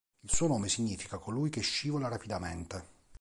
Il suo nome significa "colui che scivola rapidamente".